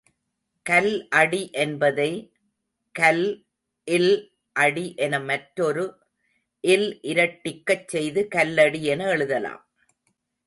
கல் அடி என்பதை, கல் ல் அடி என மற்றொரு ல் இரட்டிக்கச் செய்து கல்லடி என எழுதலாம்.